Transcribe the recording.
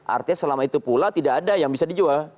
artinya selama itu pula tidak ada yang bisa dijual